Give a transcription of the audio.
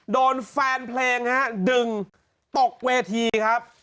โดนแฟนเพลงฮะดึงตกเวทีครับ